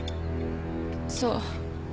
そう。